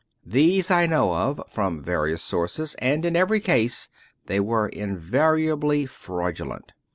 These I know of, from various sources, and in every case they were invariably fraudulent.